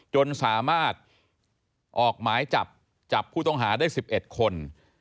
จนสามารถออกหมายจับจับผู้ต้องหาได้๑๑คน